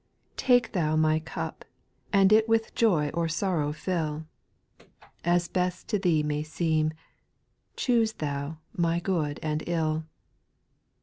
5 Take Thou my cup, and it "With joy or sorrow fill ; As best to Thee may seem, Choose Thou my good and ilL 6.